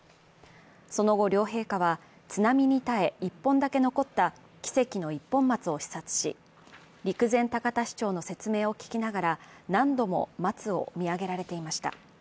その後、両陛下は津波に耐え１本だけ残った奇跡の一本松を視察し、陸前高田市長の説明を聞きながら何度も松を見上げられていました。